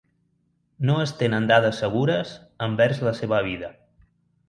No es tenen dades segures envers la seva vida.